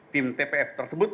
tim tpf tersebut